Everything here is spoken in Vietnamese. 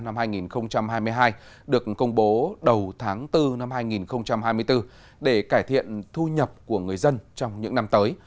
năm hai nghìn hai mươi hai được công bố đầu tháng bốn năm hai nghìn hai mươi bốn để cải thiện thu nhập của người dân trong những năm tới